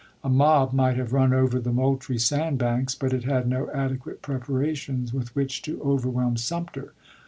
A mob might have run over the Moultrie sand banks; but it had no adequate preparations with which to overwhelm Sumter.